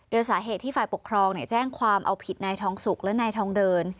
โดยสาเหตุที่ฝ่ายปกครองแจ้งความเอาผิดนายทองสุกและนายทองเดิน